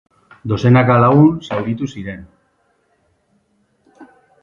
Dozenaka lagun zauritu ziren.